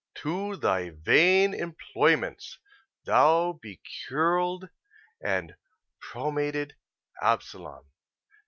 To thy vain employments, thou becurled and pomaded Absalom!